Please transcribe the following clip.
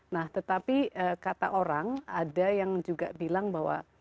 nah tetapi kata orang ada yang juga bilang bahwa